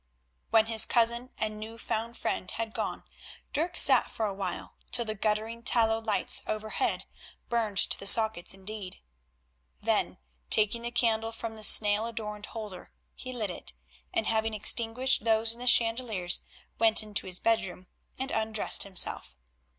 When his cousin and new found friend had gone Dirk sat for a while, till the guttering tallow lights overhead burned to the sockets indeed. Then, taking the candle from the snail adorned holder, he lit it, and, having extinguished those in the chandeliers, went into his bedroom and undressed himself.